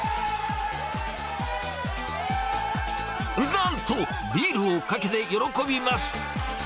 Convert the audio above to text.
なんと、ビールをかけて喜びます。